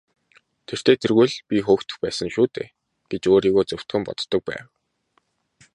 Тэртэй тэргүй л би хөөгдөх байсан шүү дээ гэж өөрийгөө зөвтгөн боддог байв.